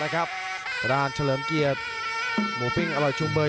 ทางด้านเฉลิมเกียรติหมูปิ้งอร่อยชุมเมย